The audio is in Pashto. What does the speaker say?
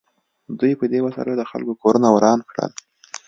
دوی په دې وسایلو د خلکو کورونه وران کړل